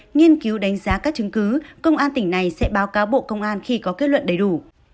nghiên cứu đánh giá các chứng cứ công an tỉnh này sẽ báo cáo bộ công an khi có kết luận đầy đủ